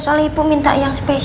soal ibu minta yang spesial